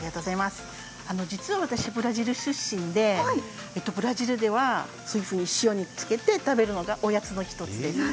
実は私、ブラジル出身でブラジルではそういうふうに塩につけて食べるのが一つです。